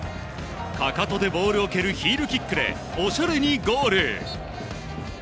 かかとでボールを蹴るヒールキックでおしゃれにゴール！